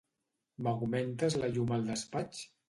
M'augmentes la llum al despatx?